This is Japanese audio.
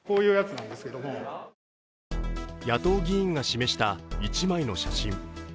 野党議員が示した１枚の写真。